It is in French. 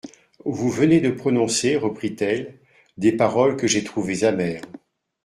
Vous venez de prononcer, reprit-elle, des paroles que j'ai trouvées amères.